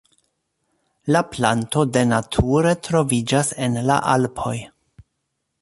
La planto de nature troviĝas en la Alpoj.